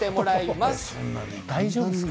大丈夫ですか？